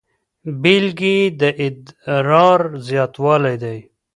بیلګې یې د ادرار زیاتوالی دی.